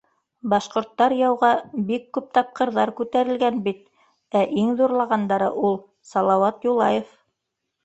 Башҡорттар яуға бик күп тапҡырҙар күтәрелгән бит, ә иң ҙурлағандары - ул, Салауат Юлаев.